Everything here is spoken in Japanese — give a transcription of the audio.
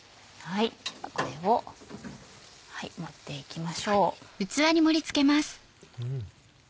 これを盛っていきましょう。